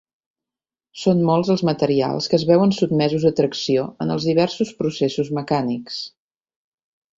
Són molts els materials que es veuen sotmesos a tracció en els diversos processos mecànics.